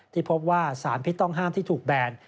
ที่พบว่าสารพิษต้องห้ามที่ถูกแบน